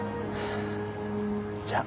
じゃあ。